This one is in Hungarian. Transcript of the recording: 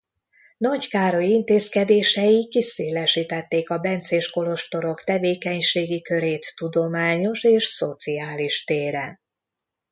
Nagy Károly intézkedései kiszélesítették a bencés kolostorok tevékenységi körét tudományos és szociális téren.